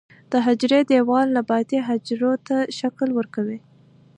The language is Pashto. د حجرې دیوال نباتي حجرو ته شکل ورکوي